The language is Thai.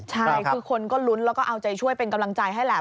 ใช่คือคนก็ลุ้นแล้วก็เอาใจช่วยเป็นกำลังใจให้แหละ